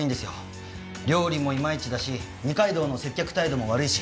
料理もいまいちだし二階堂の接客態度も悪いし。